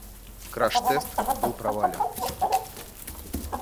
Краш-тест был провален.